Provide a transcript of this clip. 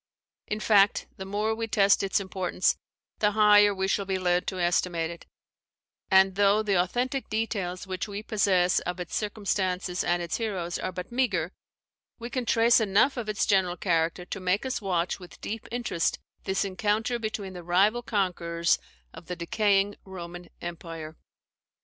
] In fact, the more we test its importance, the higher we shall be led to estimate it; and, though the authentic details which we possess of its circumstances and its heroes are but meagre, we can trace enough of its general character to make us watch with deep interest this encounter between the rival conquerors of the decaying Roman empire.